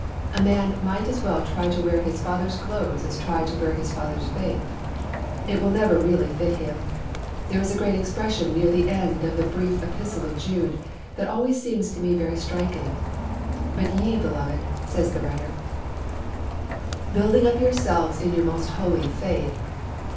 A man might as well try to wear his father's clothes as try to wear his father's faith. It will never really fit him. There is a great expression near the end of the brief Epistle of Jude that always seems to me very striking. 'But ye, beloved,' says the writer, 'building up yourselves on your most holy faith.'